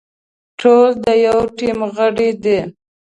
ټول د يوه ټيم غړي دي.